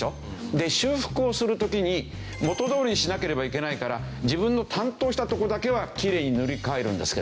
で修復をする時に元どおりにしなければいけないから自分の担当した所だけはきれいに塗り替えるんですけど。